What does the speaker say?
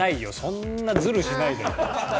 そんなズルしないで。